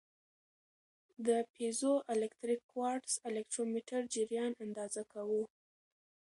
د پیزوالکتریک کوارتز الکترومتر جریان اندازه کاوه.